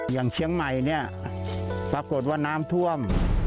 อย่างเชียงใหม่เนี่ยปรากฏว่าน้ำท่วม